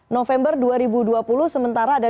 november dua ribu dua puluh sementara ada